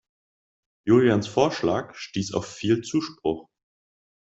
Julians Vorschlag stieß auf viel Zuspruch.